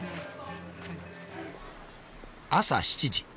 朝７時。